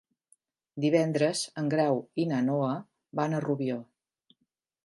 Divendres en Grau i na Noa van a Rubió.